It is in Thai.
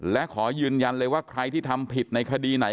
และขอยืนยันเลยว่าใครที่ทำผิดในคดีไหน